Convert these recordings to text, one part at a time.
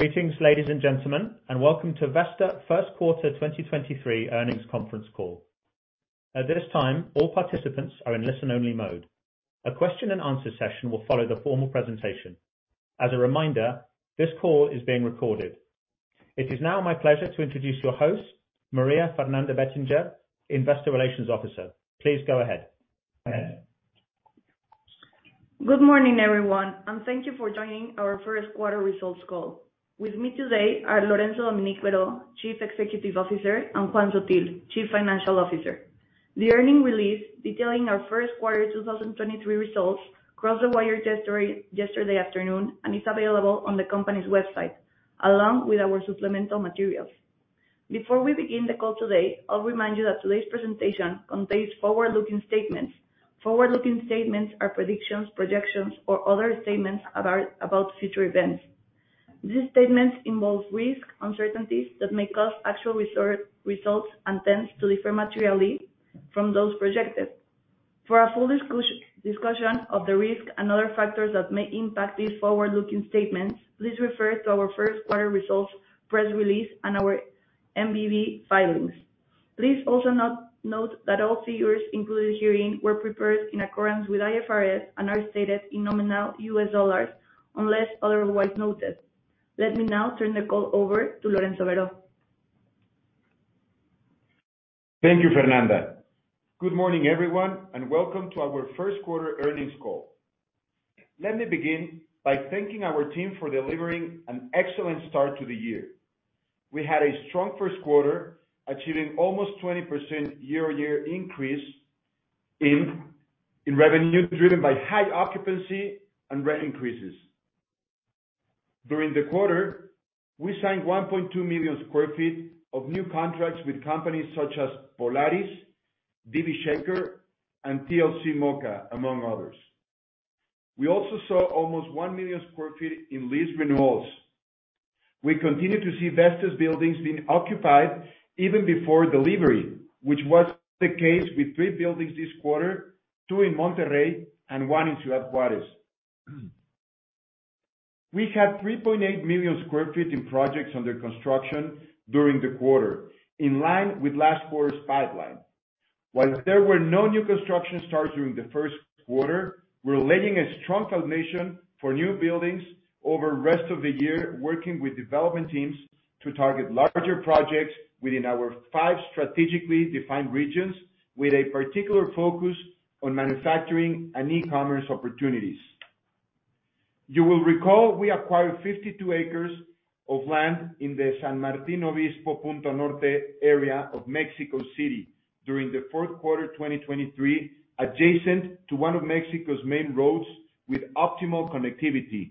Greetings, ladies and gentlemen, welcome to Vesta first quarter 2023 earnings conference call. At this time, all participants are in listen-only mode. A question and answer session will follow the formal presentation. As a reminder, this call is being recorded. It is now my pleasure to introduce your host, María Fernanda Bettinger, Investor Relations Officer. Please go ahead. Good morning, everyone, and thank you for joining our first quarter results call. With me today are Lorenzo Dominique Berho, Chief Executive Officer, and Juan Sottil Achutegui, Chief Financial Officer. The earnings release detailing our first quarter 2023 results crossed the wire yesterday afternoon and is available on the company's website, along with our supplemental materials. Before we begin the call today, I'll remind you that today's presentation contains forward-looking statements. Forward-looking statements are predictions, projections, or other statements about future events. These statements involve risk uncertainties that may cause actual results and trends to differ materially from those projected. For a full discussion of the risks and other factors that may impact these forward-looking statements, please refer to our first quarter results press release and our BMV filings. Please also note that all figures included herein were prepared in accordance with IFRS and are stated in nominal U.S. dollars unless otherwise noted. Let me now turn the call over to Lorenzo Berho. Thank you, Fernanda. Good morning, everyone, welcome to our first quarter earnings call. Let me begin by thanking our team for delivering an excellent start to the year. We had a strong first quarter, achieving almost 20% year-over-year increase in revenue, driven by high occupancy and rent increases. During the quarter, we signed 1.2 million sq ft of new contracts with companies such as Polaris, DB Schenker, and TLC Moka, among others. We also saw almost 1 million sq ft in lease renewals. We continue to see Vesta's buildings being occupied even before delivery, which was the case with three buildings this quarter, two in Monterrey and one in Ciudad Juárez. We have 3.8 million sq ft in projects under construction during the quarter, in line with last quarter's pipeline. While there were no new construction starts during the first quarter, we're laying a strong foundation for new buildings over the rest of the year, working with development teams to target larger projects within our five strategically defined regions, with a particular focus on manufacturing and e-commerce opportunities. You will recall we acquired 52 acres of land in the San Martin Obispo Punta Norte area of Mexico City during the fourth quarter, 2023, adjacent to one of Mexico's main roads with optimal connectivity.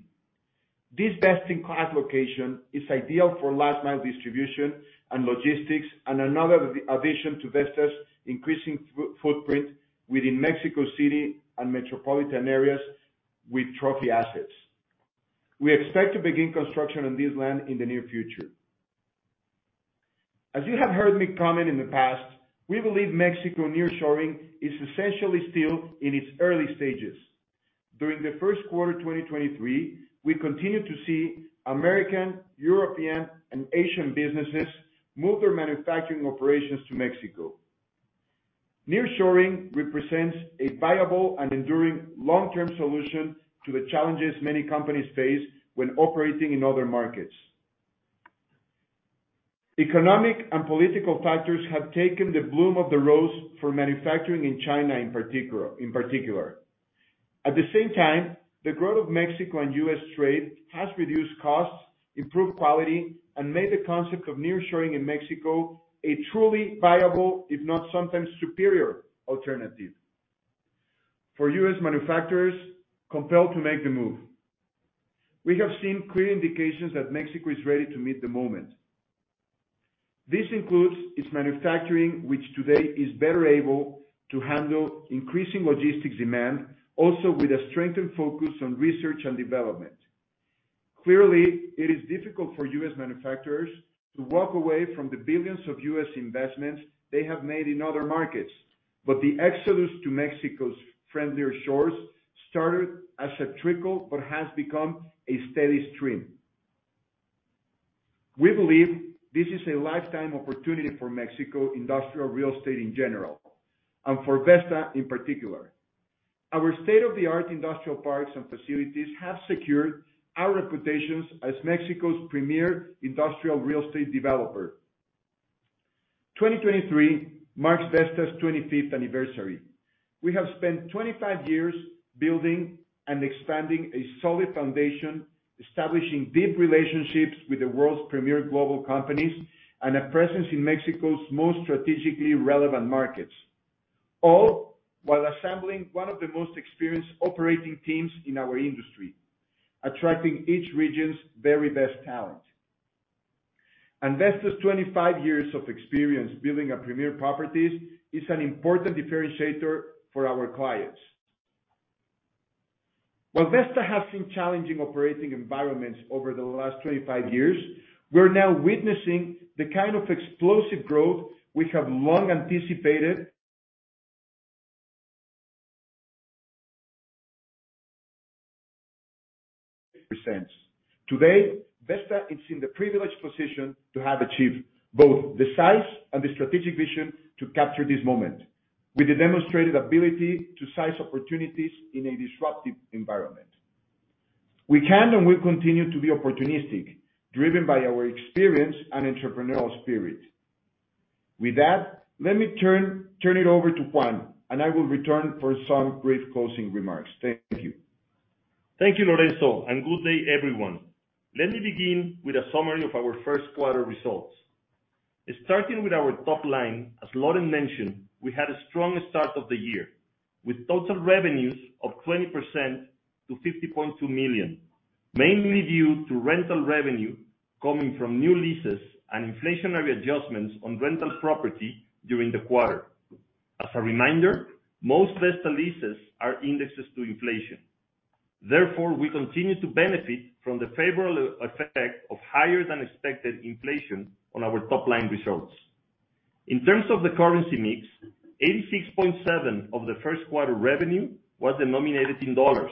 This best-in-class location is ideal for last mile distribution and logistics, and another addition to Vesta's increasing footprint within Mexico City and metropolitan areas with trophy assets. We expect to begin construction on this land in the near future. As you have heard me comment in the past, we believe Mexico nearshoring is essentially still in its early stages. During the 1st quarter, 2023, we continued to see American, European, and Asian businesses move their manufacturing operations to Mexico. Nearshoring represents a viable and enduring long-term solution to the challenges many companies face when operating in other markets. Economic and political factors have taken the bloom of the rose for manufacturing in China in particular. At the same time, the growth of Mexico and U.S. trade has reduced costs, improved quality, and made the concept of nearshoring in Mexico a truly viable, if not sometimes superior, alternative for U.S. manufacturers compelled to make the move. We have seen clear indications that Mexico is ready to meet the moment. This includes its manufacturing, which today is better able to handle increasing logistics demand, also with a strengthened focus on research and development. Clearly, it is difficult for U.S. manufacturers to walk away from the billions of U.S. investments they have made in other markets. The exodus to Mexico's friendlier shores started as a trickle but has become a steady stream. We believe this is a lifetime opportunity for Mexico industrial real estate in general, and for Vesta in particular. Our state-of-the-art industrial parks and facilities have secured our reputations as Mexico's premier industrial real estate developer. 2023 marks Vesta's 25th anniversary. We have spent 25 years building and expanding a solid foundation, establishing deep relationships with the world's premier global companies and a presence in Mexico's most strategically relevant markets, all while assembling one of the most experienced operating teams in our industry, attracting each region's very best talent. Vesta's 25 years of experience building a premier properties is an important differentiator for our clients. While Vesta has seen challenging operating environments over the last 25 years, we're now witnessing the kind of explosive growth we have long anticipated. Today, Vesta is in the privileged position to have achieved both the size and the strategic vision to capture this moment, with the demonstrated ability to size opportunities in a disruptive environment. We can and will continue to be opportunistic, driven by our experience and entrepreneurial spirit. Let me turn it over to Juan, and I will return for some brief closing remarks. Thank you. Thank you, Lorenzo, good day, everyone. Let me begin with a summary of our first quarter results. Starting with our top line, as Loren mentioned, we had a strong start of the year, with total revenues of 20% to $50.2 million, mainly due to rental revenue coming from new leases and inflationary adjustments on rental property during the quarter. As a reminder, most Vesta leases are indexed to inflation. We continue to benefit from the favorable effect of higher than expected inflation on our top line results. In terms of the currency mix, 86.7% of the first quarter revenue was denominated in USD,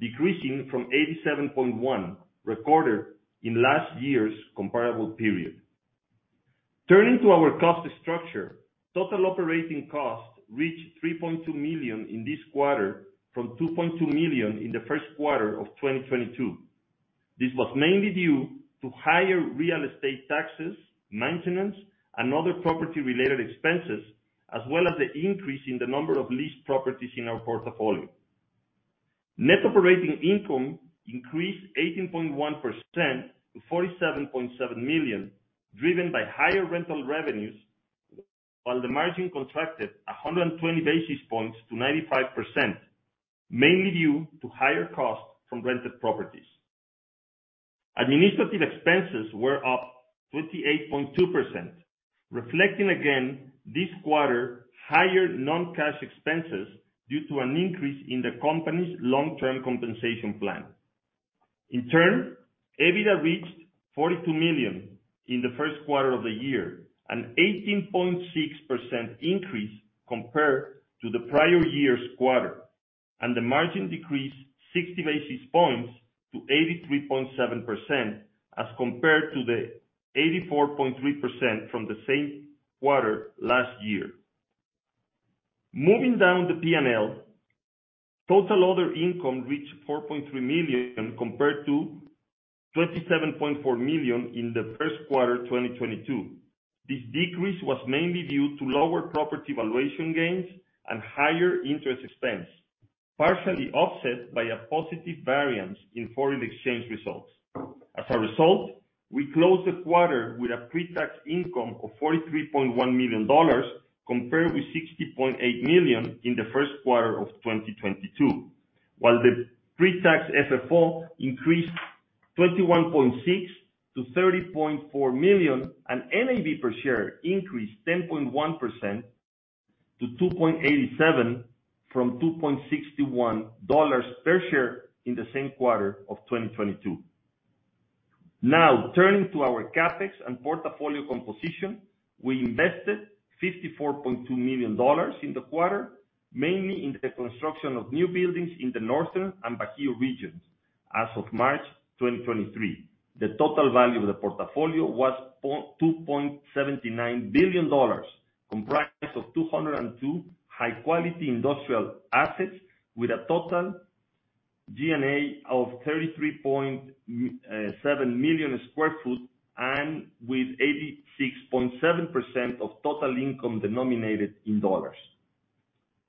decreasing from 87.1% recorded in last year's comparable period. Turning to our cost structure, total operating costs reached $3.2 million in this quarter from $2.2 million in the first quarter of 2022. This was mainly due to higher real estate taxes, maintenance, and other property related expenses, as well as the increase in the number of leased properties in our portfolio. Net operating income increased 18.1% to $47.7 million, driven by higher rental revenues, while the margin contracted 120 basis points to 95%, mainly due to higher costs from rented properties. Administrative expenses were up 28.2%, reflecting again this quarter higher non-cash expenses due to an increase in the company's long-term compensation plan. EBITDA reached $42 million in the first quarter of the year, an 18.6% increase compared to the prior year's quarter, and the margin decreased 60 basis points to 83.7%, as compared to the 84.3% from the same quarter last year. Moving down the P&L, total other income reached $4.3 million compared to $27.4 million in the first quarter 2022. This decrease was mainly due to lower property valuation gains and higher interest expense, partially offset by a positive variance in foreign exchange results. As a result, we closed the quarter with a pre-tax income of $43.1 million, compared with $60.8 million in the first quarter of 2022. While the pre-tax FFO increased $21.6 million-$30.4 million, and NAV per share increased 10.1% to $2.87 from $2.61 per share in the same quarter of 2022. Now, turning to our CapEx and portfolio composition, we invested $54.2 million in the quarter, mainly in the construction of new buildings in the Northern and Bajío regions. As of March 2023, the total value of the portfolio was $2.79 billion, comprised of 202 high quality industrial assets with a total GLA of 33.7 million sq ft and with 86.7% of total income denominated in dollars.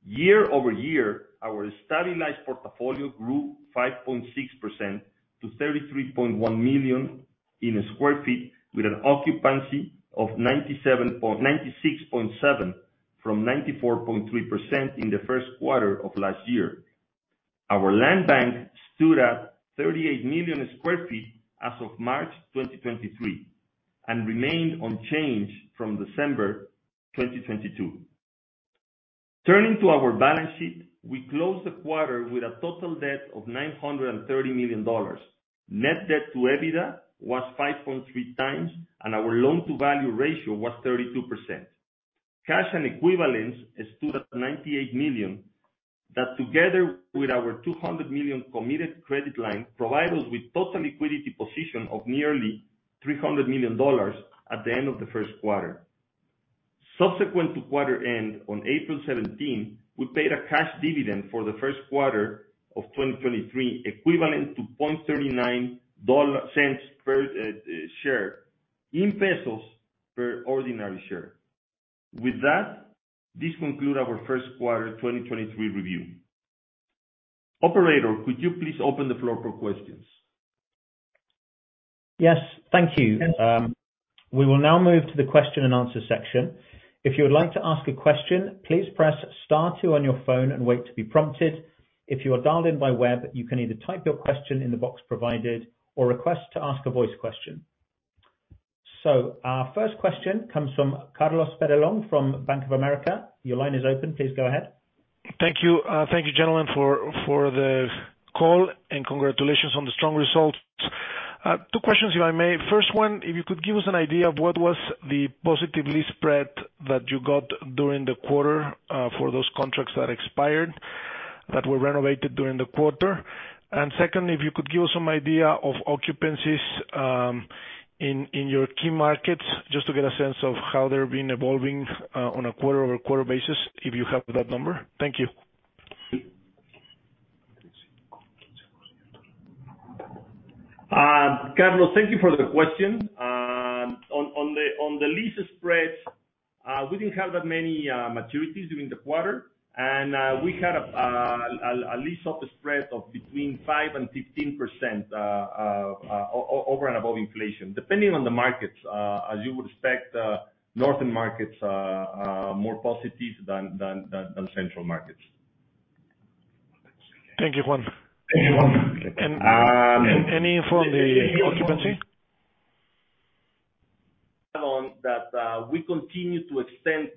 year-over-year, our stabilized portfolio grew 5.6% to 33.1 million sq ft, with an occupancy of 96.7% from 94.3% in the first quarter of last year. Our land bank stood at 38 million sq ft as of March 2023 and remained unchanged from December 2022. Turning to our balance sheet, we closed the quarter with a total debt of $930 million. Net debt to EBITDA was 5.3 times. Our loan to value ratio was 32%. Cash and equivalents stood at $98 million. That together with our $200 million committed credit line, provide us with total liquidity position of nearly $300 million at the end of the first quarter. Subsequent to quarter end on April 17, we paid a cash dividend for the first quarter of 2023, equivalent to 0.39 cents per share in pesos per ordinary share. This conclude our first quarter 2023 review. Operator, could you please open the floor for questions? Yes. Thank you. We will now move to the question and answer section. If you would like to ask a question, please press star 2 on your phone and wait to be prompted. If you are dialed in by web, you can either type your question in the box provided or request to ask a voice question. Our first question comes from Carlos Peyrelongue from Bank of America. Your line is open. Please go ahead. Thank you. Thank you, gentlemen, for the call, and congratulations on the strong results. Two questions if I may. First one, if you could give us an idea of what was the positive lease spread that you got during the quarter, for those contracts that expired, that were renovated during the quarter. Second, if you could give us some idea of occupancies, in your key markets, just to get a sense of how they're been evolving, on a quarter-over-quarter basis, if you have that number. Thank you. Uh, Carlos, thank you for the question. Um, on, on the, on the lease spreads, uh, we didn't have that many, uh, maturities during the quarter. And, uh, we had a, uh, a lease of spread of between five and fifteen percent, uh, uh, o-over and above inflation. Depending on the markets, uh, as you would expect, uh, northern markets are, are more positive than, than, than, than central markets. Thank you, Juan. Thank you. And any from the occupancy? We continue to extend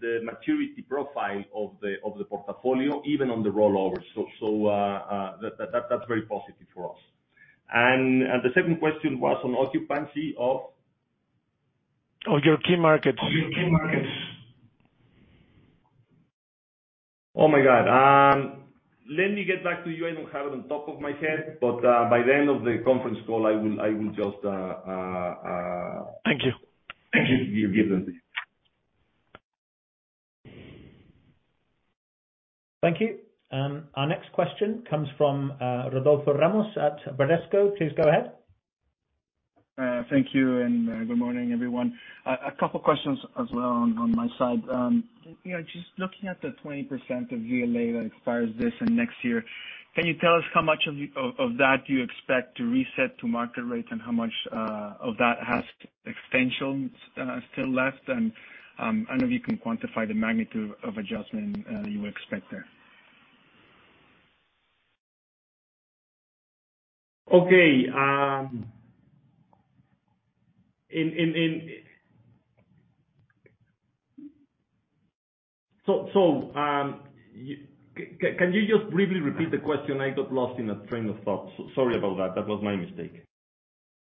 the maturity profile of the portfolio, even on the rollover. That's very positive for us. The second question was on occupancy of? Of your key markets. Of your key markets. Oh my God. Let me get back to you. I don't have it on top of my head, but by the end of the conference call, I will just. Thank you. Give them to you. Thank you. Our next question comes from Rodolfo Ramos at Bradesco. Please go ahead. Thank you and good morning, everyone. A couple questions as well on my side. you know, just looking at the 20% of GLA that expires this and next year, can you tell us how much of that do you expect to reset to market rates and how much of that has extensions still left? If you can quantify the magnitude of adjustment you expect there. Okay. Can you just briefly repeat the question? I got lost in a train of thought. Sorry about that. That was my mistake.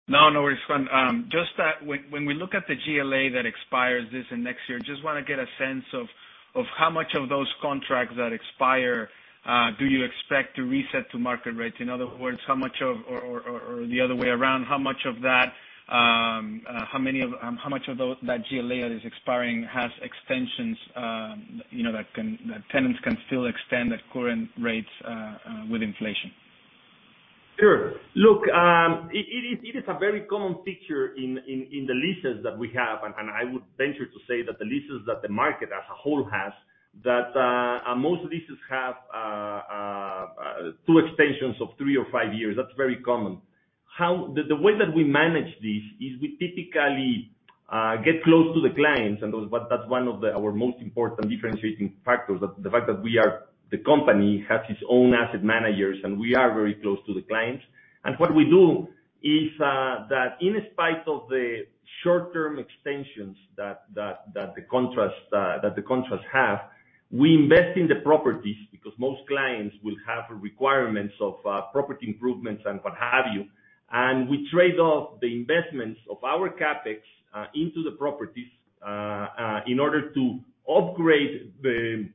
no worries, Juan. just that when we look at the GLA that expires this and next year, just wanna get a sense of how much of those contracts that expire, do you expect to reset to market rates? In other words, how much of the other way around, how much of that GLA that is expiring has extensions, you know, that tenants can still extend at current rates with inflation? Sure. Look, it is a very common feature in the leases that we have. I would venture to say that the leases that the market as a whole has, that most leases have 2 extensions of 3 or 5 years. That's very common. The way that we manage this is we typically get close to the clients, and that's one of our most important differentiating factors, the fact that the company has its own asset managers, and we are very close to the clients. What we do is that in spite of the short-term extensions that the contracts have, we invest in the properties because most clients will have requirements of property improvements and what have you. We trade off the investments of our CapEx into the properties in order to upgrade the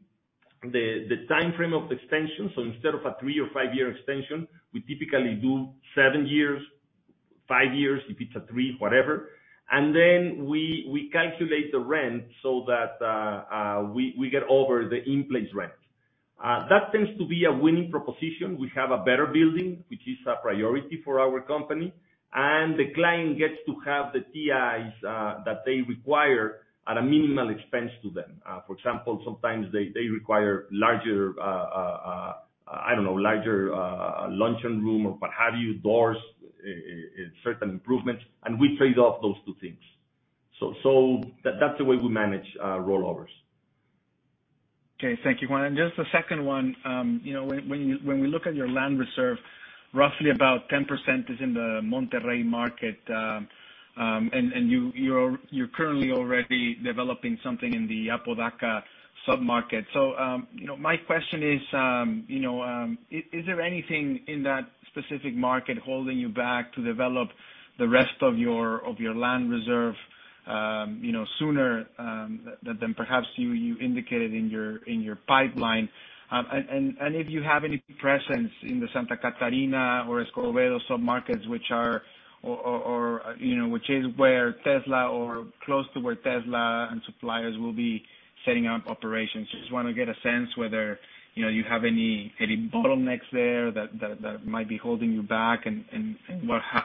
timeframe of the extension. Instead of a 3 or 5-year extension, we typically do 7 years, 5 years, if it's a 3, whatever. Then we calculate the rent so that we get over the in-place rent. That tends to be a winning proposition. We have a better building, which is a priority for our company, and the client gets to have the TIs that they require at a minimal expense to them. For example, sometimes they require larger, I don't know, larger luncheon room or what have you, doors, certain improvements, and we trade off those two things. That's the way we manage rollovers. Okay. Thank you, Juan. Just the second one, you know, when we look at your land reserve, roughly about 10% is in the Monterrey market, and you're currently already developing something in the Apodaca submarket. You know, my question is, you know, is there anything in that specific market holding you back to develop the rest of your land reserve, you know, sooner than perhaps you indicated in your pipeline? If you have any presence in the Santa Catarina or Escobedo submarkets which are, you know, which is where Tesla or close to where Tesla and suppliers will be setting up operations. Just wanna get a sense whether, you know, you have any bottlenecks there that might be holding you back, and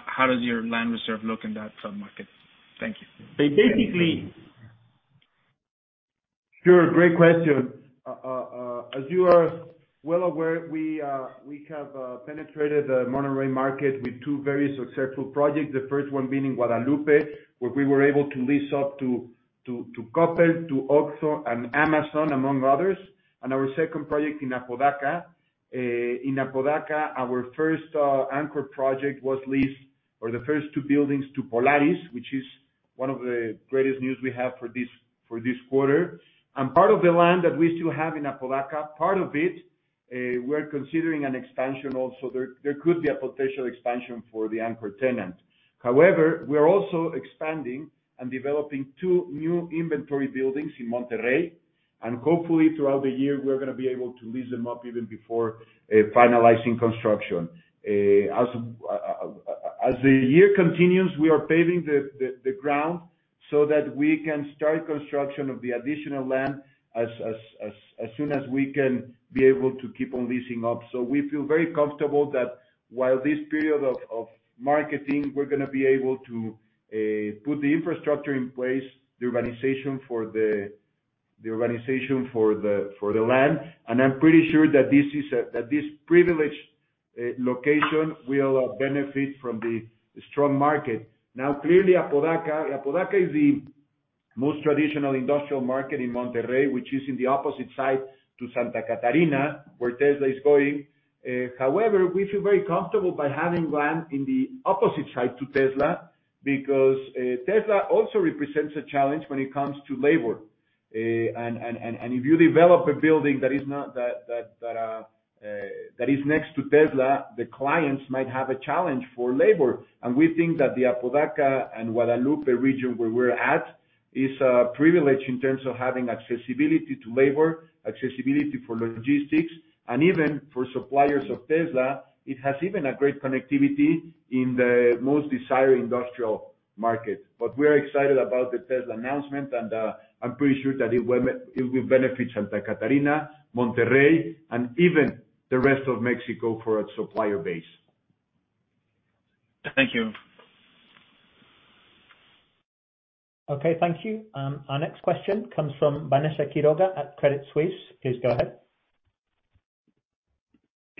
how does your land reserve look in that submarket? Thank you. They basically. Sure. Great question. As you are well aware, we have penetrated the Monterrey market with 2 very successful projects. The first one being in Guadalupe, where we were able to lease up to couple to OXXO and Amazon among others. Our second project in Apodaca. In Apodaca, our first anchor project was leased or the first 2 buildings to Polaris, which is one of the greatest news we have for this quarter. Part of the land that we still have in Apodaca, part of it. We're considering an expansion also. There could be a potential expansion for the anchor tenant. We are also expanding and developing two new inventory buildings in Monterrey, and hopefully throughout the year, we're gonna be able to lease them up even before finalizing construction. As the year continues, we are paving the ground so that we can start construction of the additional land as soon as we can be able to keep on leasing up. We feel very comfortable that while this period of marketing, we're gonna be able to put the infrastructure in place, the urbanization for the land. I'm pretty sure that this privileged location will benefit from the strong market. Clearly Apodaca is the most traditional industrial market in Monterrey, which is in the opposite side to Santa Catarina, where Tesla is going. However, we feel very comfortable by having land in the opposite side to Tesla because Tesla also represents a challenge when it comes to labor. If you develop a building that is next to Tesla, the clients might have a challenge for labor. We think that the Apodaca and Guadalupe region where we're at is privileged in terms of having accessibility to labor, accessibility for logistics, and even for suppliers of Tesla, it has even a great connectivity in the most desired industrial market. We're excited about the Tesla announcement, and I'm pretty sure that it will benefit Santa Catarina, Monterrey, and even the rest of Mexico for its supplier base. Thank you. Okay, thank you. Our next question comes from Vanessa Quiroga at Credit Suisse. Please go ahead.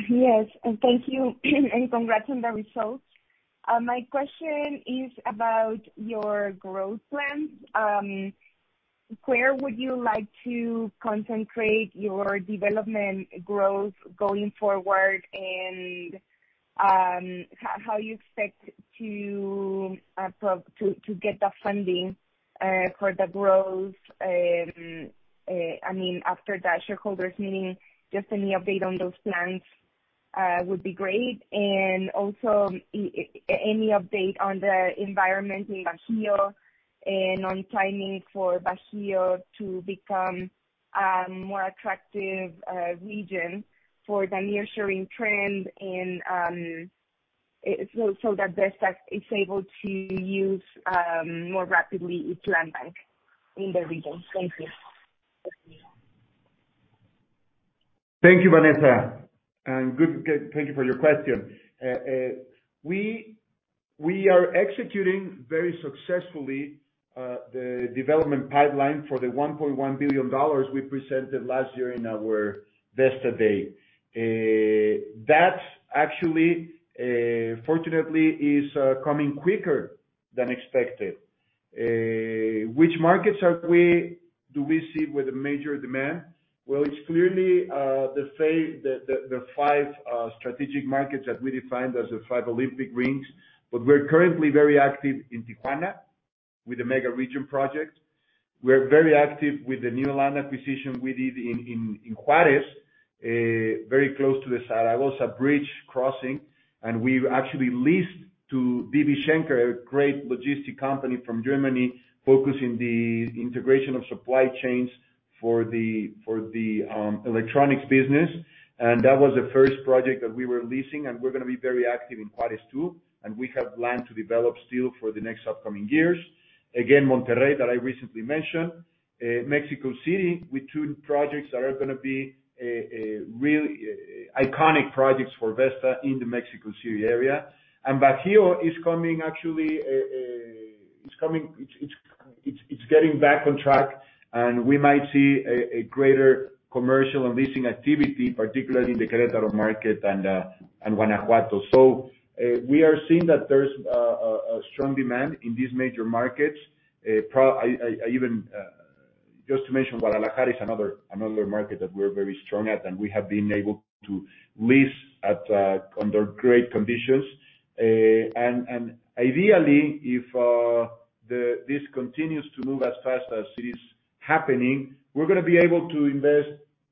Yes, thank you and congrats on the results. My question is about your growth plans. Where would you like to concentrate your development growth going forward and how you expect to get the funding for the growth? I mean, after that shareholders' meeting, just any update on those plans would be great. Also any update on the environment in Bajío and on timing for Bajío to become a more attractive region for the nearshoring trend so that Vesta is able to use more rapidly its land bank in the region. Thank you. Thank you, Vanessa. Thank you for your question. We are executing very successfully the development pipeline for the $1.1 billion we presented last year in our Vesta Day. That actually fortunately is coming quicker than expected. Which markets do we see with a major demand? Well, it's clearly the five strategic markets that we defined as the five Olympic rings. We're currently very active in Tijuana with the mega region project. We're very active with the new land acquisition we did in Juarez, very close to the Zaragoza Bridge crossing. We've actually leased to DB Schenker, a great logistic company from Germany, focusing the integration of supply chains for the electronics business. That was the first project that we were leasing, and we're gonna be very active in Juárez too. We have land to develop still for the next upcoming years. Again, Monterrey that I recently mentioned. Mexico City with two projects that are gonna be real iconic projects for Vesta in the Mexico City area. Bajío is coming actually, is coming... It's getting back on track, and we might see a greater commercial and leasing activity, particularly in the Querétaro market and Guanajuato. We are seeing that there's a strong demand in these major markets. I even... Just to mention, Guadalajara is another market that we're very strong at, and we have been able to lease at under great conditions. Ideally if this continues to move as fast as it is happening, we're gonna be able to invest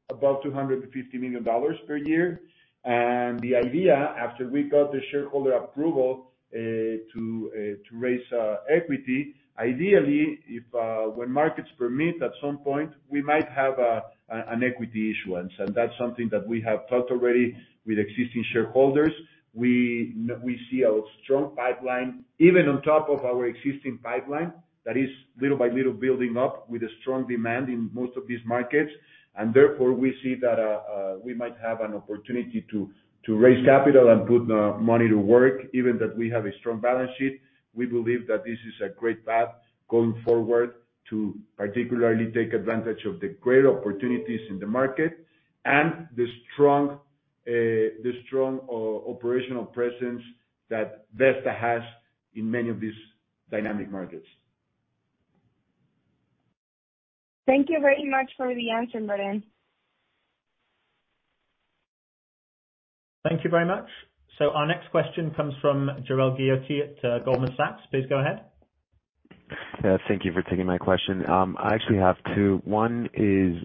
about $250 million per year. The idea after we got the shareholder approval to raise equity, ideally if when markets permit at some point, we might have an equity issuance. That's something that we have talked already with existing shareholders. We see a strong pipeline, even on top of our existing pipeline that is little by little building up with a strong demand in most of these markets. Therefore, we see that we might have an opportunity to raise capital and put money to work. Even that we have a strong balance sheet, we believe that this is a great path going forward to particularly take advantage of the great opportunities in the market and the strong operational presence that Vesta has in many of these dynamic markets. Thank you very much for the answer, Ruben. Thank you very much. Our next question comes from Jorel Guilloty at Goldman Sachs. Please go ahead. Yeah. Thank you for taking my question. I actually have two. One is,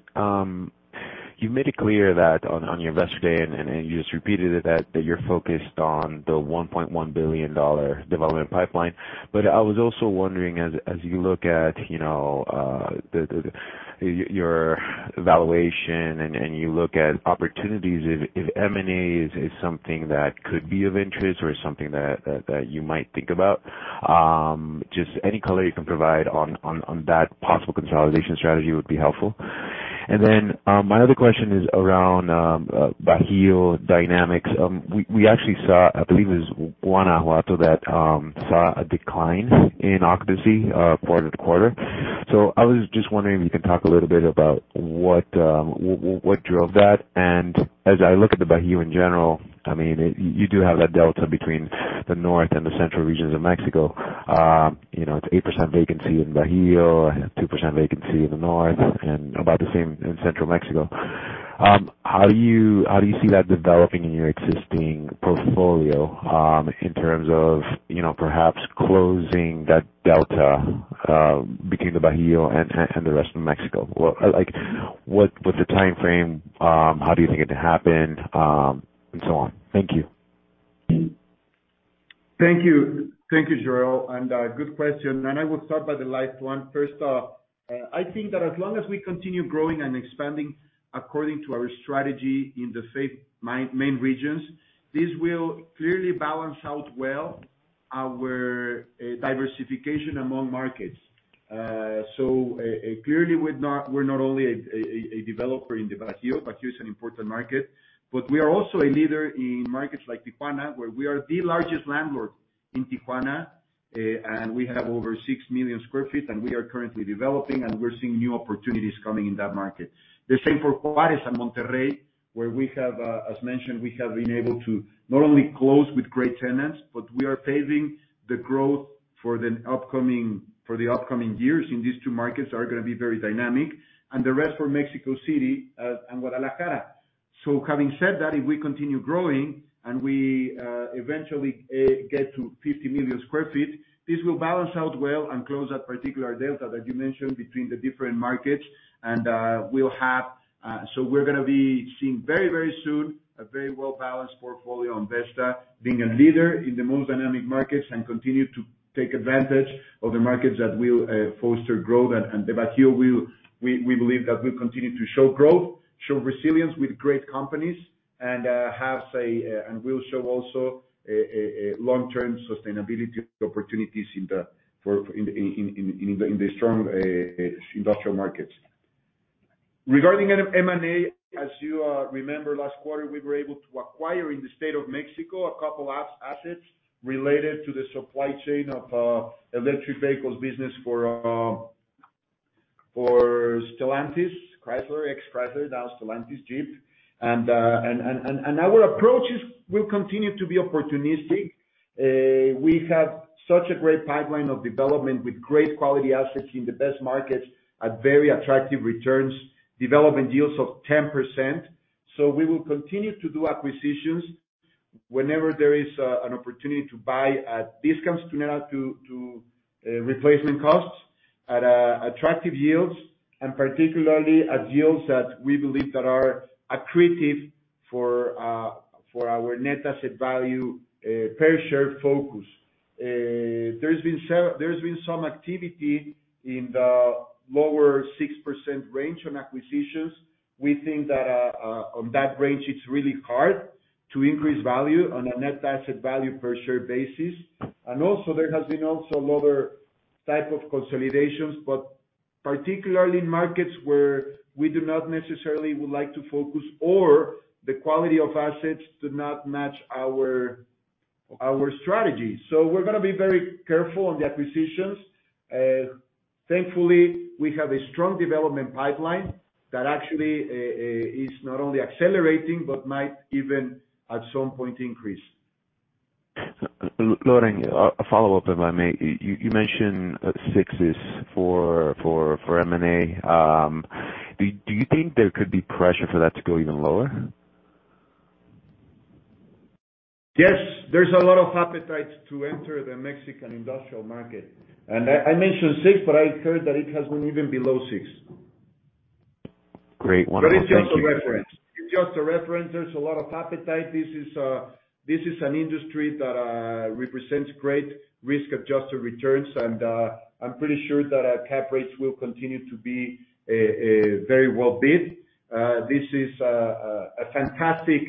you made it clear that on your Vesta Day, and you just repeated it, that you're focused on the $1.1 billion development pipeline. I was also wondering as you look at, you know, your valuation and you look at opportunities, if M&A is something that could be of interest or something that you might think about. Just any color you can provide on that possible consolidation strategy would be helpful. My other question is around Bajío dynamics. We actually saw, I believe it was Guanajuato that saw a decline in occupancy quarter-over-quarter. I was just wondering if you can talk a little bit about what drove that. As I look at the Bajío in general, I mean, you do have that delta between the north and the central regions of Mexico. You know, it's 8% vacancy in Bajío and 2% vacancy in the north and about the same in central Mexico. How do you see that developing in your existing portfolio, in terms of, you know, perhaps closing that delta between the Bajío and the rest of Mexico? Like what's the timeframe, how do you think it could happen, and so on? Thank you. Thank you. Thank you, Joel, and good question. I will start by the last one first. I think that as long as we continue growing and expanding according to our strategy in the five main regions, this will clearly balance out well our diversification among markets. Clearly, we're not only a developer in the Bajío is an important market, but we are also a leader in markets like Tijuana, where we are the largest landlord in Tijuana. We have over 6 million sq ft, and we are currently developing, and we're seeing new opportunities coming in that market. The same for Juárez and Monterrey, where we have, as mentioned, we have been able to not only close with great tenants, but we are paving the growth for the upcoming years, and these two markets are gonna be very dynamic. The rest for Mexico City and Guadalajara. Having said that, if we continue growing and we eventually get to 50 million sq ft, this will balance out well and close that particular delta that you mentioned between the different markets. We'll have. We're gonna be seeing very, very soon a very well-balanced portfolio on Vesta being a leader in the most dynamic markets and continue to take advantage of the markets that will foster growth. The Bajío will we believe that will continue to show growth, show resilience with great companies, and has a and will show also a long-term sustainability opportunities in the strong industrial markets. Regarding M&A, as you remember, last quarter, we were able to acquire in the State of Mexico a couple assets related to the supply chain of electric vehicles business for Stellantis, Chrysler, ex-Chrysler, now Stellantis, Jeep. Our approaches will continue to be opportunistic. We have such a great pipeline of development with great quality assets in the best markets at very attractive returns, development deals of 10%. We will continue to do acquisitions whenever there is an opportunity to buy at discounts to replacement costs at attractive yields, and particularly at yields that we believe that are accretive for our net asset value per share focus. There's been some activity in the lower 6% range on acquisitions. We think that on that range, it's really hard to increase value on a net asset value per share basis. There has been also other type of consolidations, but particularly in markets where we do not necessarily would like to focus or the quality of assets do not match our strategy. We're gonna be very careful on the acquisitions. Thankfully, we have a strong development pipeline that actually is not only accelerating but might even at some point increase. Loren, a follow-up, if I may. You mentioned sixes for M&A. Do you think there could be pressure for that to go even lower? Yes. There's a lot of appetite to enter the Mexican industrial market. I mentioned six, but I heard that it has been even below six. Great. One more. Thank you. It's just a reference. It's just a reference. There's a lot of appetite. This is an industry that represents great risk-adjusted returns, I'm pretty sure that cap rates will continue to be very well bid. This is a fantastic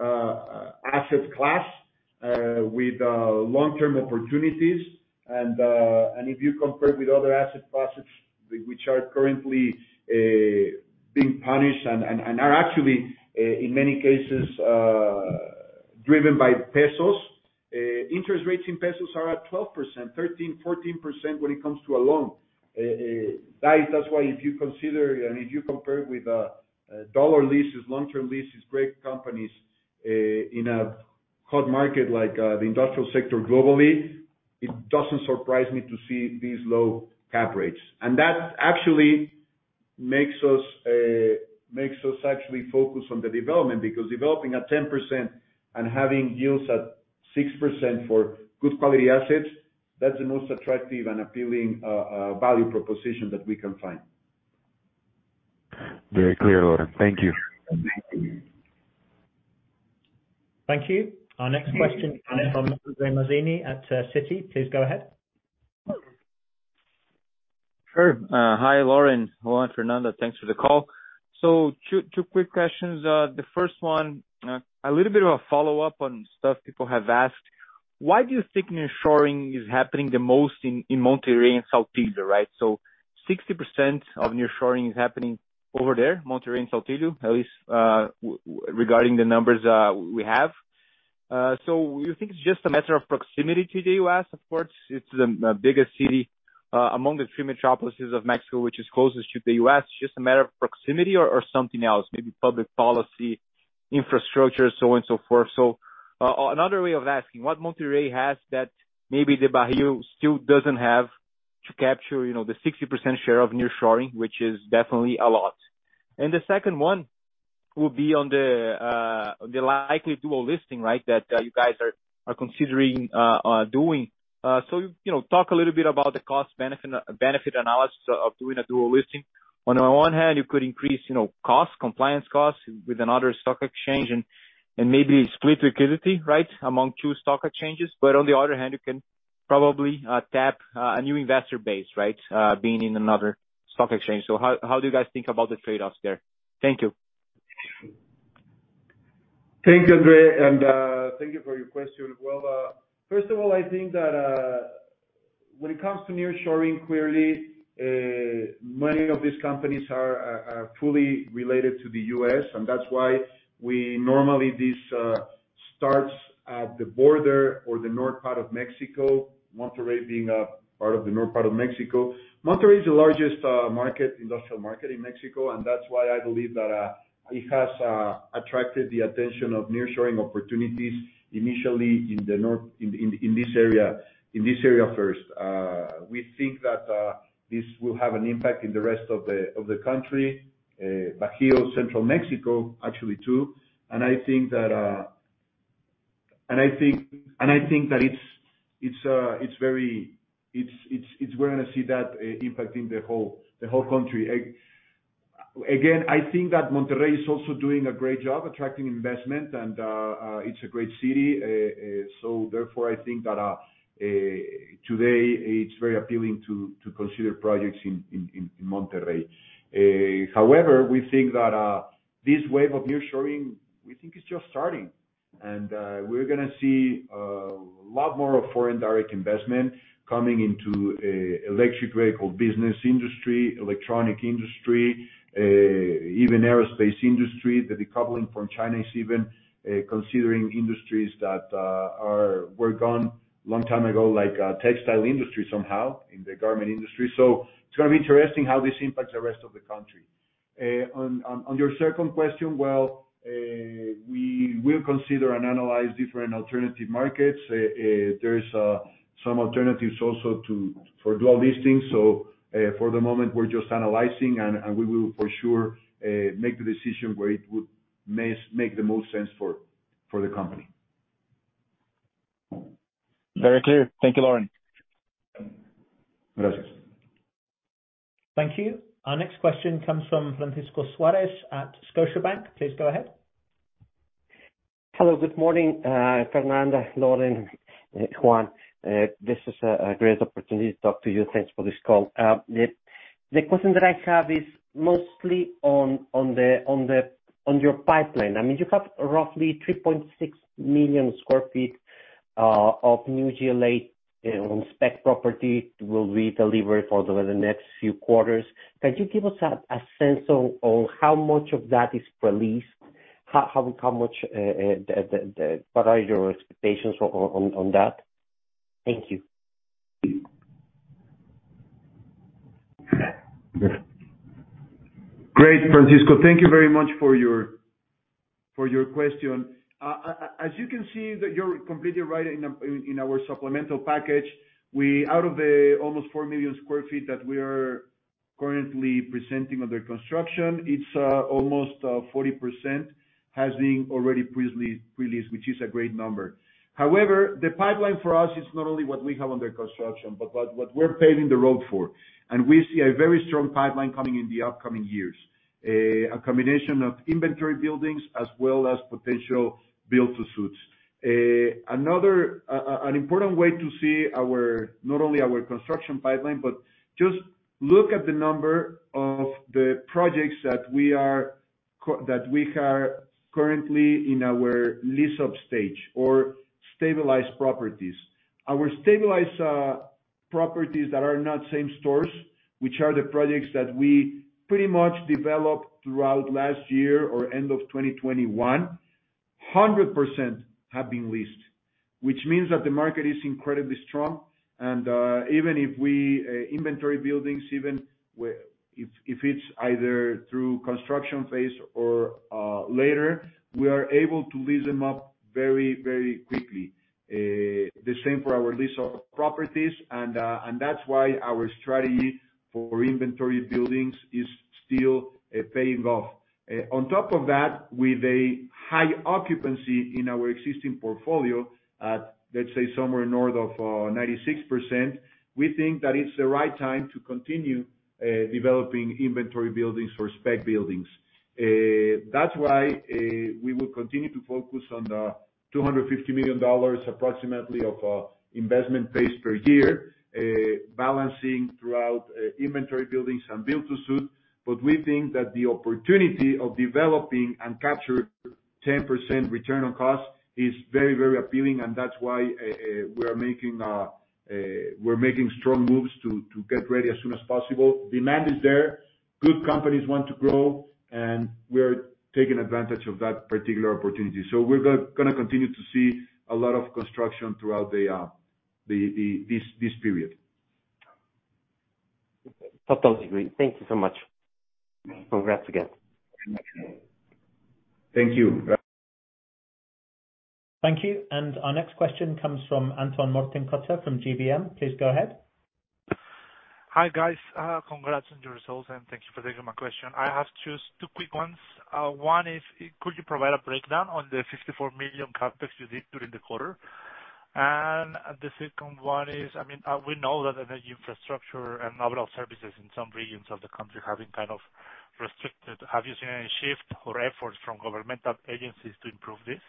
asset class with long-term opportunities. If you compare it with other asset classes which are currently being punished and are actually in many cases driven by pesos, interest rates in pesos are at 12%, 13%, 14% when it comes to a loan. That's why if you consider and if you compare it with dollar leases, long-term leases, great companies, in a hot market like the industrial sector globally, it doesn't surprise me to see these low cap rates. That actually makes us actually focus on the development, because developing at 10% and having yields at 6% for good quality assets, that's the most attractive and appealing value proposition that we can find. Very clear, Loren. Thank you. Thank you. Our next question comes from André Mazini at Citi. Please go ahead. Sure. Hi, Loren, Juan, Fernanda, thanks for the call. Two quick questions. The first one, a little bit of a follow-up on stuff people have asked. Why do you think nearshoring is happening the most in Monterrey and Saltillo, right? 60% of nearshoring is happening over there, Monterrey and Saltillo, at least, regarding the numbers, we have. You think it's just a matter of proximity to the U.S., of course? It's the biggest city among the three metropolises of Mexico, which is closest to the U.S. Just a matter of proximity or something else? Maybe public policy, infrastructure, so on so forth. Another way of asking, what Monterrey has that maybe the Bajío still doesn't have to capture, you know, the 60% share of nearshoring, which is definitely a lot. The second one will be on the on the likely dual listing, right? That you guys are considering doing. You know, talk a little bit about the cost benefit analysis of doing a dual listing. On the one hand, you could increase, you know, costs, compliance costs with another stock exchange and maybe split liquidity, right? Among two stock exchanges. On the other hand, you can probably tap a new investor base, right? Being in another stock exchange. How do you guys think about the trade-offs there? Thank you. Thank you, André. Thank you for your question. Well, first of all, I think that when it comes to nearshoring, clearly, many of these companies are fully related to the U.S., that's why we... Normally this starts at the border or the north part of Mexico, Monterrey being a part of the north part of Mexico. Monterrey is the largest market, industrial market in Mexico, and that's why I believe that it has attracted the attention of nearshoring opportunities initially in the north, in this area first. We think that this will have an impact in the rest of the country, Bajío, central Mexico, actually too. I think that... I think that it's we're gonna see that impacting the whole country. Again, I think that Monterrey is also doing a great job attracting investment, and it's a great city. Therefore, I think that today it's very appealing to consider projects in Monterrey. However, we think that this wave of nearshoring, we think it's just starting. We're gonna see lot more of foreign direct investment coming into electric vehicle business industry, electronic industry, even aerospace industry. The decoupling from China is even considering industries that were gone long time ago, like textile industry somehow and the garment industry. It's gonna be interesting how this impacts the rest of the country. On your second question, well, we will consider and analyze different alternative markets. There is some alternatives also to, for dual listings. For the moment we're just analyzing and we will for sure make the decision where it would make the most sense for the company. Very clear. Thank you, Loren. Gracias. Thank you. Our next question comes from Francisco Suarez at Scotiabank. Please go ahead. Hello, good morning, Fernanda, Loren, Juan. This is a great opportunity to talk to you. Thanks for this call. The question that I have is mostly on your pipeline. I mean, you have roughly 3.6 million square feet of new GLA on spec property will be delivered for the next few quarters. Can you give us a sense on how much of that is pre-leased? How much? What are your expectations on that? Thank you. Great, Francisco. Thank you very much for your question. As you can see that you're completely right in our supplemental package. Out of the almost 4 million sq ft that we are currently presenting under construction, it's almost 40% has been already pre-leased, which is a great number. The pipeline for us is not only what we have under construction, but what we're paving the road for. We see a very strong pipeline coming in the upcoming years. A combination of inventory buildings as well as potential build to suits. Another important way to see our, not only our construction pipeline, but just look at the number of the projects that we are currently in our lease-up stage or stabilized properties. Our stabilized properties that are not same stores, which are the projects that we pretty much developed throughout last year or end of 2021, 100% have been leased. Which means that the market is incredibly strong, and even if we inventory buildings if it's either through construction phase or later, we are able to lease them up very quickly. The same for our lease of properties. That's why our strategy for inventory buildings is still paying off. On top of that, with a high occupancy in our existing portfolio at, let's say, somewhere north of 96%, we think that it's the right time to continue developing inventory buildings or spec buildings. That's why we will continue to focus on the $250 million approximately of investment pace per year, balancing throughout inventory buildings and build to suit. We think that the opportunity of developing and capture 10% return on cost is very, very appealing, and that's why we're making strong moves to get ready as soon as possible. Demand is there. Good companies want to grow, and we are taking advantage of that particular opportunity. We're gonna continue to see a lot of construction throughout the this period. Totally agree. Thank you so much. Congrats again. Thank you. Thank you. Our next question comes from Armando Rodriguez from GBM. Please go ahead. Hi, guys. Congrats on your results, and thank you for taking my question. I have just two quick ones. One is, could you provide a breakdown on the $54 million CapEx you did during the quarter? The second one is, I mean, we know that energy infrastructure and overall services in some regions of the country have been kind of restricted. Have you seen any shift or efforts from governmental agencies to improve this?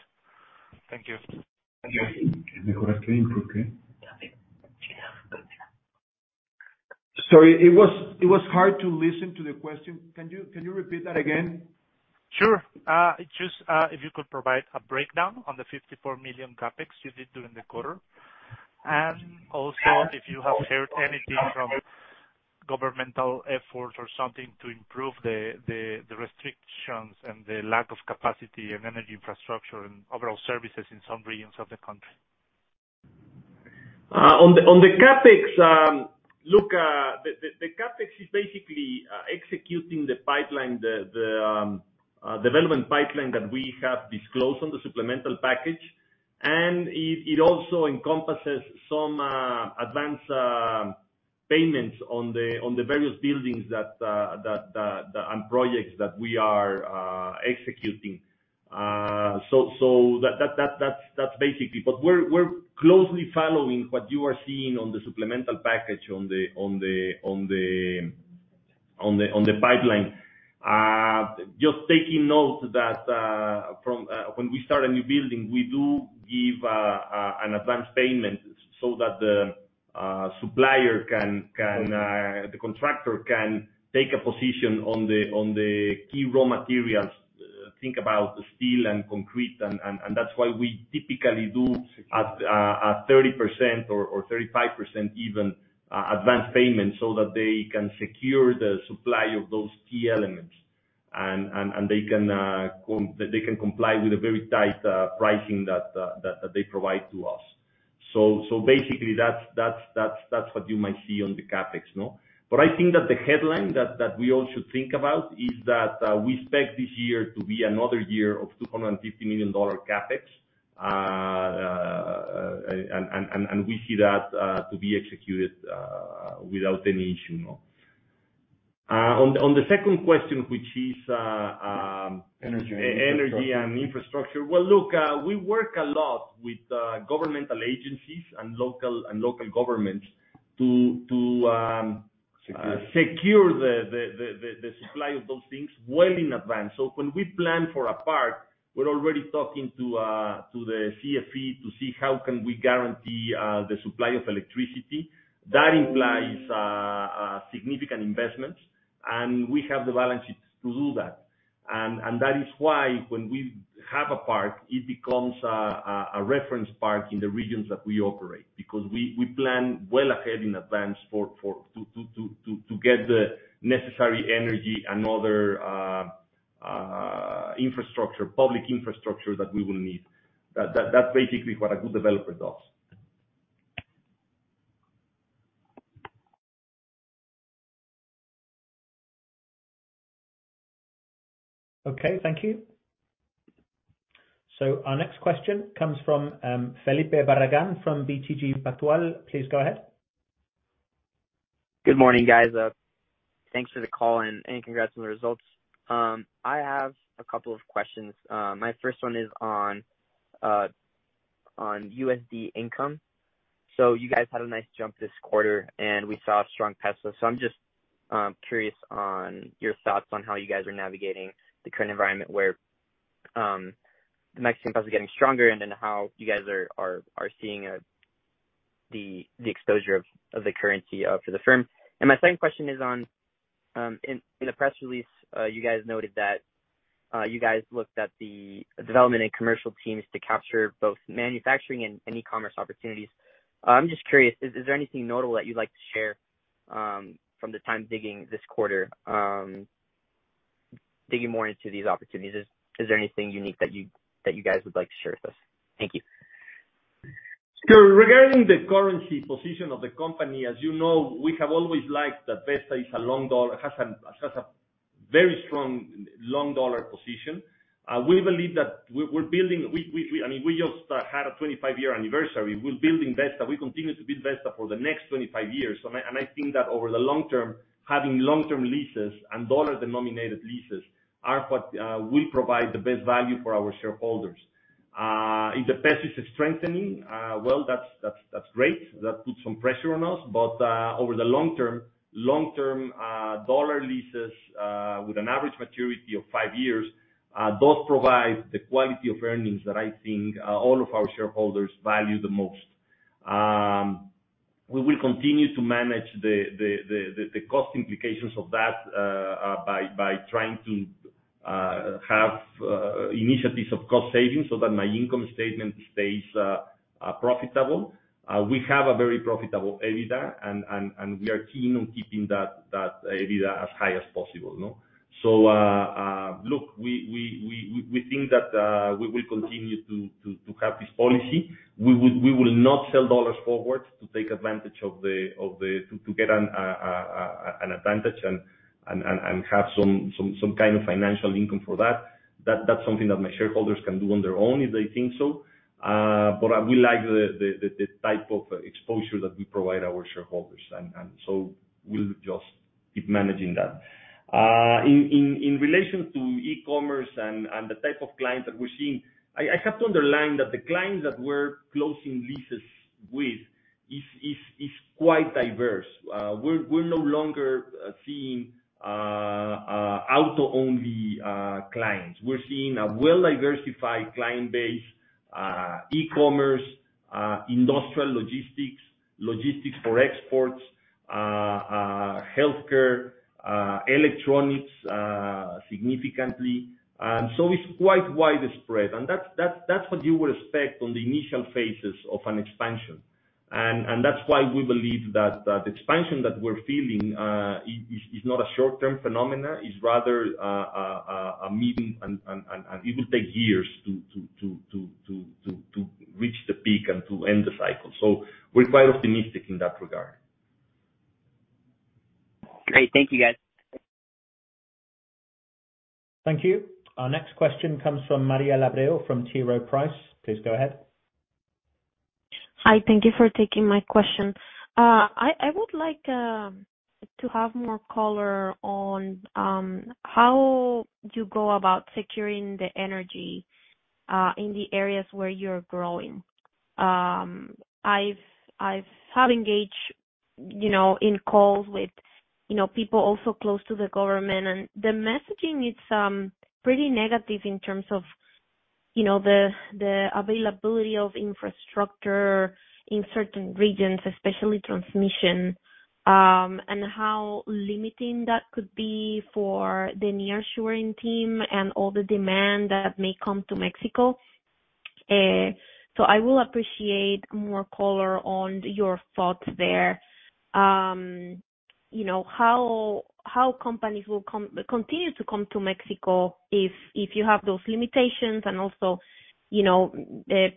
Thank you. Sorry. It was hard to listen to the question. Can you repeat that again? Sure. Just, if you could provide a breakdown on the $54 million CapEx you did during the quarter. Also if you have heard anything from governmental efforts or something to improve the restrictions and the lack of capacity and energy infrastructure and overall services in some regions of the country. On the CapEx, look, the CapEx is basically executing the pipeline, the development pipeline that we have disclosed on the supplemental package. It also encompasses some advanced payments on the various buildings that and projects that we are executing. That's basically. We're closely following what you are seeing on the supplemental package on the pipeline. Just taking note that from when we start a new building, we do give an advanced payment so that the supplier can, the contractor can take a position on the key raw materials, think about steel and concrete, and that's why we typically do at 30% or 35% even advanced payment so that they can secure the supply of those key elements. They can comply with a very tight pricing that they provide to us. Basically that's what you might see on the CapEx, no? I think that the headline that we all should think about is that we expect this year to be another year of $250 million CapEx. We see that to be executed without any issue, no. On the second question, which is Energy and infrastructure. Energy and infrastructure. Well, look, we work a lot with governmental agencies and local governments to secure the supply of those things well in advance. When we plan for a park, we're already talking to the CFE to see how can we guarantee the supply of electricity. That implies significant investments, and we have the balance sheets to do that. That is why when we have a park, it becomes a reference park in the regions that we operate because we plan well ahead in advance to get the necessary energy and other infrastructure, public infrastructure that we will need. That's basically what a good developer does. Okay. Thank you. Our next question comes from Felipe Barragán from BTG Pactual. Please go ahead. Good morning, guys. Thanks for the call and congrats on the results. I have a couple of questions. My first one is on USD income. You guys had a nice jump this quarter, and we saw a strong peso. I'm just curious on your thoughts on how you guys are navigating the current environment where the Mexican peso is getting stronger and then how you guys are seeing the exposure of the currency for the firm. My second question is on in the press release, you guys noted that you guys looked at the development and commercial teams to capture both manufacturing and e-commerce opportunities. I'm just curious, is there anything notable that you'd like to share from the time digging this quarter? Digging more into these opportunities, is there anything unique that you guys would like to share with us? Thank you. Sure. Regarding the currency position of the company, as you know, we have always liked that Vesta is a very strong long dollar position. We believe that we're building. I mean, we just had a 25-year anniversary. We're building Vesta, we continue to build Vesta for the next 25 years. I think that over the long term, having long-term leases and dollar-denominated leases are what will provide the best value for our shareholders. If the peso is strengthening, well, that's great. That puts some pressure on us. Over the long-term dollar leases, with an average maturity of 5 years, those provide the quality of earnings that I think all of our shareholders value the most. We will continue to manage the cost implications of that by trying to have initiatives of cost savings so that my income statement stays profitable. We have a very profitable EBITDA and we are keen on keeping that EBITDA as high as possible, you know. Look, we think that we will continue to have this policy. We will not sell dollars forward to take advantage of the to get an advantage and have some kind of financial income for that. That's something that my shareholders can do on their own if they think so. I will like the type of exposure that we provide our shareholders. We'll just keep managing that. In relation to e-commerce and the type of clients that we're seeing, I have to underline that the clients that we're closing leases with is quite diverse. We're no longer seeing auto-only clients. We're seeing a well-diversified client base, e-commerce, industrial logistics for exports, healthcare, electronics, significantly. It's quite widespread. That's what you would expect on the initial phases of an expansion. That's why we believe that that expansion that we're feeling is not a short-term phenomena. It's rather a medium and it will take years to reach the peak and to end the cycle. We're quite optimistic in that regard. Great. Thank you, guys. Thank you. Our next question comes from Vanessa Quiroga from T. Rowe Price. Please go ahead. Hi, thank you for taking my question. I would like to have more color on how you go about securing the energy in the areas where you're growing. I've had engaged, you know, in calls with, you know, people also close to the government, and the messaging is pretty negative in terms of, you know, the availability of infrastructure in certain regions, especially transmission, and how limiting that could be for the nearshoring team and all the demand that may come to Mexico. I will appreciate more color on your thoughts there. How companies continue to come to Mexico if you have those limitations and also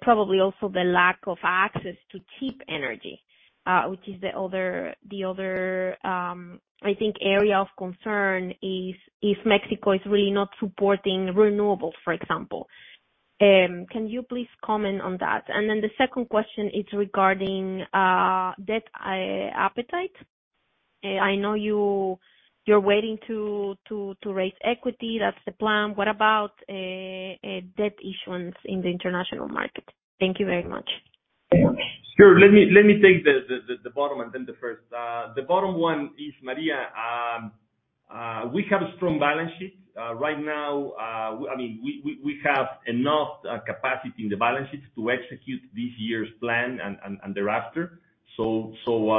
probably also the lack of access to cheap energy, which is the other I think area of concern, is if Mexico is really not supporting renewables, for example. Can you please comment on that? The second question is regarding debt appetite. I know you're waiting to raise equity. That's the plan. What about debt issuance in the international market? Thank you very much. Sure. Let me take the bottom and then the first. The bottom one is, María, we have a strong balance sheet. Right now, I mean, we have enough capacity in the balance sheet to execute this year's plan and thereafter. We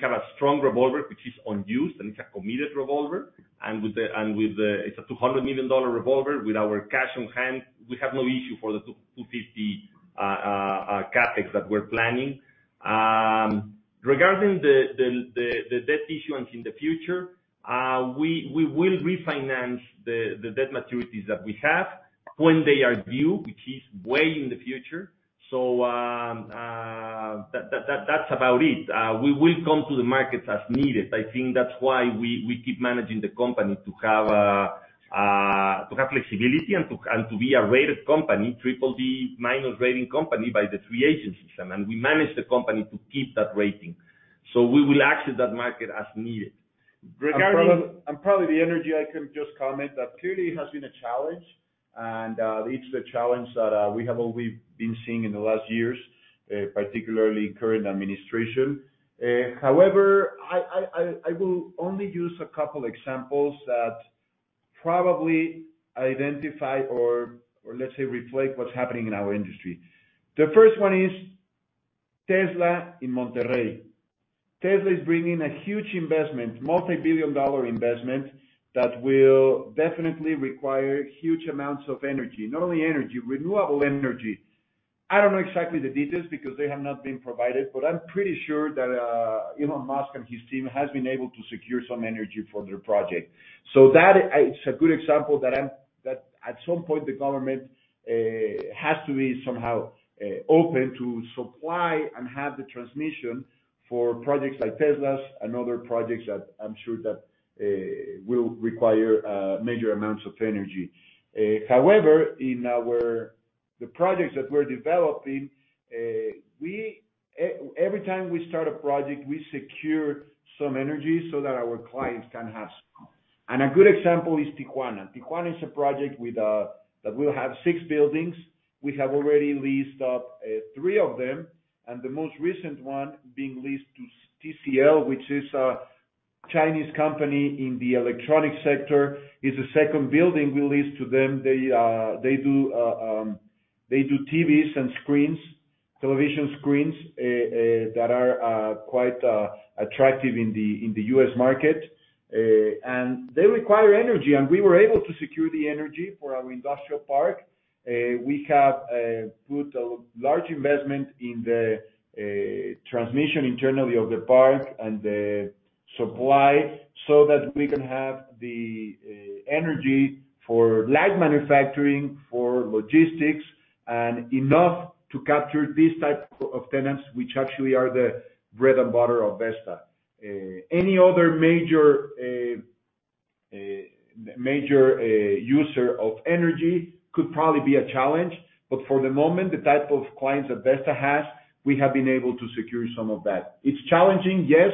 have a strong revolver which is unused, and it's a committed revolver. It's a $200 million revolver. With our cash on hand, we have no issue for the $250 million CapEx that we're planning. Regarding the debt issuance in the future, we will refinance the debt maturities that we have when they are due, which is way in the future. That's about it. We will come to the markets as needed. I think that's why we keep managing the company to have flexibility and to, and to be a rated company, BBB- rating company by the three agencies. We manage the company to keep that rating. We will access that market as needed. Probably the energy, I can just comment that clearly it has been a challenge. It's the challenge that we have always been seeing in the last years, particularly current administration. However, I will only use a couple examples that probably identify or let's say reflect what's happening in our industry. The first one is Tesla in Monterrey. Tesla is bringing a huge investment, multi-billion dollar investment, that will definitely require huge amounts of energy. Not only energy, renewable energy. I don't know exactly the details because they have not been provided, but I'm pretty sure that Elon Musk and his team has been able to secure some energy for their project. That is a good example that at some point the government has to be somehow open to supply and have the transmission for projects like Tesla's and other projects that I'm sure that will require major amounts of energy. However, in the projects that we're developing, every time we start a project, we secure some energy so that our clients can have some. A good example is Tijuana. Tijuana is a project with that will have 6 buildings. ased up 3 of them, and the most recent one being leased to TCL, which is a Chinese company in the electronic sector. It's the second building we lease to them. They do TVs and screens, television screens, that are quite attractive in the U.S. market. They require energy, and we were able to secure the energy for our industrial park. We have put a large investment in the transmission internally of the park and the supply so that we can have the energy for light manufacturing, for logistics, and enough to capture these type of tenants, which actually are the bread and butter of Vesta. Any other major major user of energy could probably be a challenge For the moment, the type of clients that Vesta has, we have been able to secure some of that. It's challenging, yes,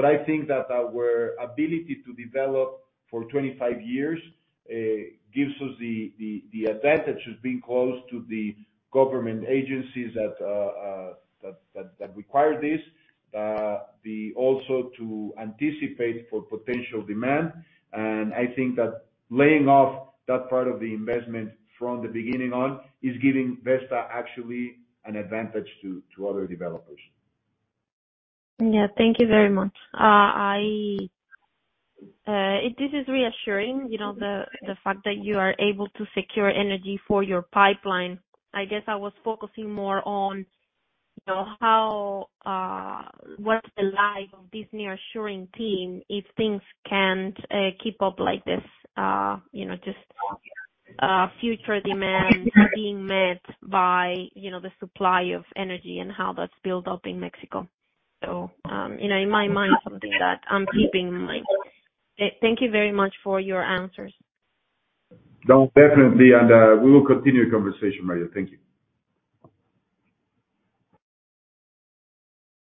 but I think that our ability to develop for 25 years gives us the advantage of being close to the government agencies that require this. Also to anticipate for potential demand. I think that laying off that part of the investment from the beginning on is giving Vesta actually an advantage to other developers. Yeah. Thank you very much. This is reassuring, you know, the fact that you are able to secure energy for your pipeline. I guess I was focusing more on, you know, how what's the life of this nearshoring team if things can't keep up like this, you know, just future demand being met by, you know, the supply of energy and how that's built up in Mexico. You know, in my mind, something that I'm keeping in mind. Thank you very much for your answers. No, definitely. We will continue conversation, María. Thank you.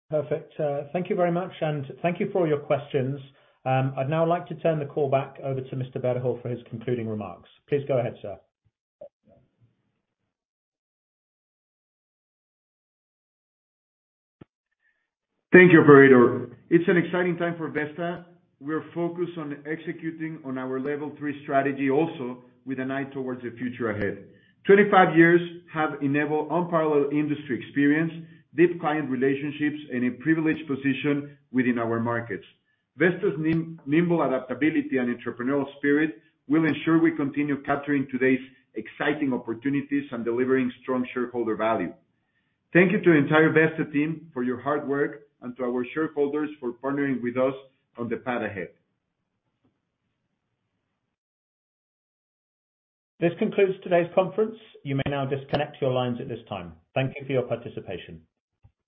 Perfect. Thank you very much. Thank you for all your questions. I'd now like to turn the call back over to Mr. Berho for his concluding remarks. Please go ahead, sir. Thank you, Briqa. It's an exciting time for Vesta. We are focused on executing on our Level 3 Strategy also with an eye towards the future ahead. 25 years have enabled unparalleled industry experience, deep client relationships, and a privileged position within our markets. Vesta's nimble adaptability and entrepreneurial spirit will ensure we continue capturing today's exciting opportunities and delivering strong shareholder value. Thank you to entire Vesta team for your hard work and to our shareholders for partnering with us on the path ahead. This concludes today's conference. You may now disconnect your lines at this time. Thank you for your participation.